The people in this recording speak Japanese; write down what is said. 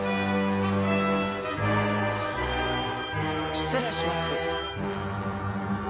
失礼します。